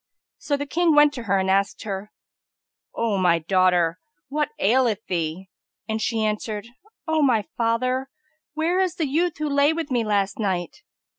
So the King went to her, and asked her, "O my daughter, what aileth thee?"; and she answered, "O my father, where is the youth who lay with me last night?"